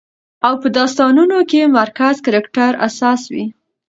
او په داستانونو کې مرکزي کرکټر اساس وي